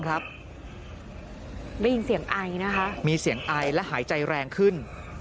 ได้ยินเสียงไอนะคะมีเสียงไอและหายใจแรงขึ้น